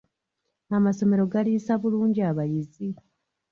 Amasomero galiisa bulungi abayizi?